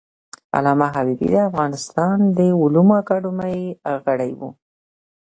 علامه حبیبي د افغانستان د علومو اکاډمۍ غړی و.